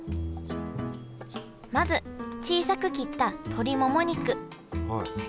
まず小さく切った鶏もも肉。